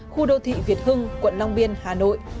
khu đô thị việt hưng quận long biên hà nội